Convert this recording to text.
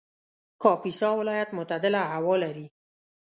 کاپیسا ولایت معتدله هوا لري